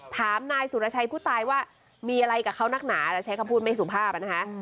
ถามนายสุรชัยผู้ตายว่ามีอะไรกับเขานักหนาแต่ใช้คำพูดไม่สุภาพนะคะ